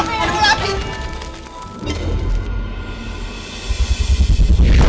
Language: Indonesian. mas kamu tepuk tangan